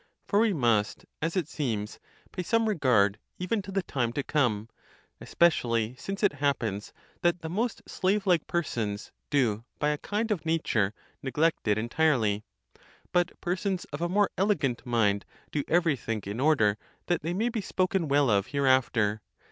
For we must, as it seems, pay some regard even to the time to come ; especially since it happens that the most slave like persons do by a kind of nature, neglect it entirely ; but persons of a more elegant mind do every thing in order that they may be spoken well of hereafter.